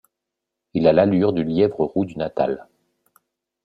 Il a l'allure du lièvre roux du Natal.